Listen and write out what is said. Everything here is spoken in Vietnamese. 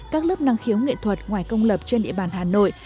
các lớp năng khiếu nghệ thuật ngoài công lập trên địa bàn hà nội